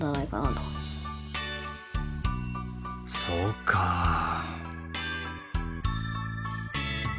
そうかあ。